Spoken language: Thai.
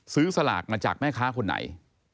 สลากมาจากแม่ค้าคนไหน